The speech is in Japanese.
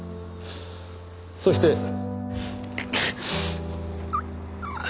そして。